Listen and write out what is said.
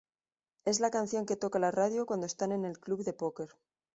Es la canción que toca la radio cuando están en el club de póquer.